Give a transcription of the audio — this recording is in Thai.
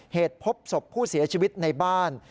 เหตุพบศพผู้เสียชีวิตในบ้าน